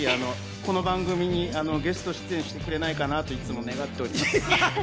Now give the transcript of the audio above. この番組にゲスト出演してくれないかな？と、いつも願っております。